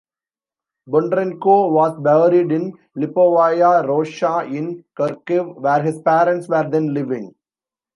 Bondarenko was buried in Lipovaya Roshcha in Kharkiv, where his parents were then living.